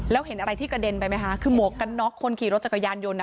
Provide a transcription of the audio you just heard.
แล้วเห็นอะไรที่กระเด็นไปไหมคะคือหมวกกันน็อกคนขี่รถจักรยานยนต์